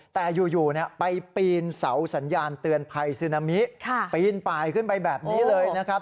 แต่อยู่ไปปีนเสาสัญญาณเตือนภัยซึนามิปีนป่ายขึ้นไปแบบนี้เลยนะครับ